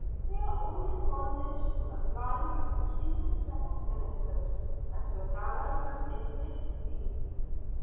They are all in bondage to a blind and conceited set of ministers, and to a narrow and bigoted creed."